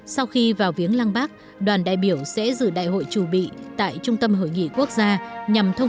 sau khi vào viếng lăng bác đoàn đại biểu sẽ giữ đại hội chủ bị tại trung tâm hội nghị quốc gia